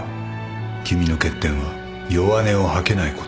君の欠点は弱音を吐けないことだ